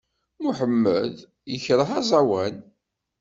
Muḥemmed yekṛeh aẓawan!